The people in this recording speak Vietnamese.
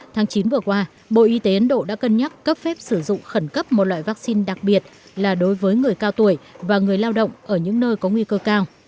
tháng chín vừa qua bộ y tế ấn độ đã cân nhắc cấp phép sử dụng khẩn cấp một loại vaccine đặc biệt là đối với người cao tuổi và người lao động ở những nơi có nguy cơ cao